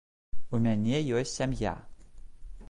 У мяне ёсць сям'я.